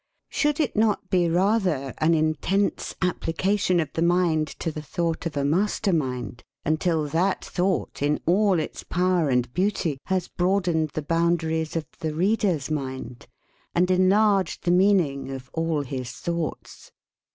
Should it not be rather an intense application of the mind to the thought of a master mind, until that thought, in all its power and beauty, has broadened the boundaries of the reader's mind and enlarged the meaning of all his thoughts